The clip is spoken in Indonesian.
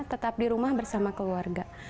tetap di rumah bersama keluarga